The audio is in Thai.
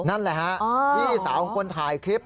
นั่นแหละฮะพี่สาวของคนถ่ายคลิป